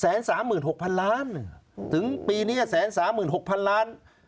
สามหมื่นหกพันล้านถึงปีนี้แสนสามหมื่นหกพันล้าน